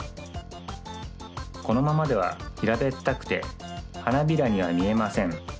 このままではひらべったくてはなびらにはみえません。